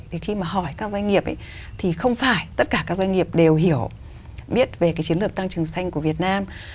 thì khi mà hỏi các doanh nghiệp thì không phải tất cả các doanh nghiệp đều hiểu biết về cái chiến lược tăng trưởng xanh của việt nam